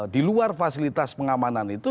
di luar fasilitas pengamanan itu